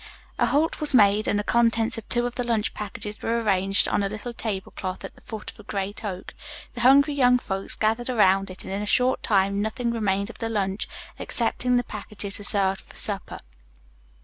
A halt was made and the contents of two of the lunch packages were arranged on a little tablecloth at the foot of a great oak. The hungry young folks gathered around it and in a short time nothing remained of the lunch excepting the packages reserved for supper.